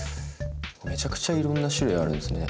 めちゃくちゃいろんな種類あるんすね。